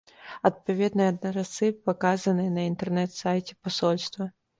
Адпаведныя адрасы паказаны на інтэрнэт-сайце пасольства.